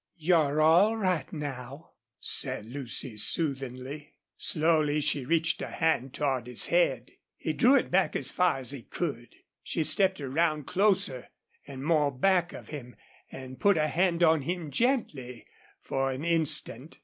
"You're all right now," said Lucy, soothingly. Slowly she reached a hand toward his head. He drew it back as far as he could. She stepped around, closer, and more back of him, and put a hand on him, gently, for an instant.